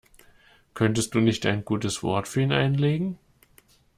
Könntest du nicht ein gutes Wort für ihn einlegen?